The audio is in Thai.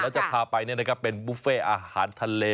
เราพาไปเนี่ยนะครับเป็นบุฟเฟต์อาหารทะเล